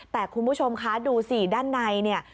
แต่คุณผู้ชมคะดูสิด้านในเนี่ย